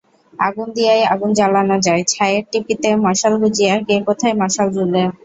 আগুন দিয়াই আগুন জ্বালানো যায়, ছাই-এর টিপিতে মশাল গুজিয়া কে কোথায় মশাল জুলে?